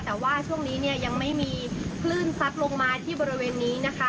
แต่ว่าช่วงนี้เนี่ยยังไม่มีคลื่นซัดลงมาที่บริเวณนี้นะคะ